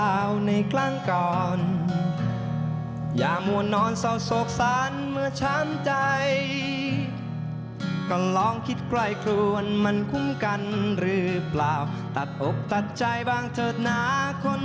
มิวซิกคิดว่าจะไม่เป็นอุปสรรคเนอะพอรัสหน่อยเนอะพอรัสหน่อยเนอะ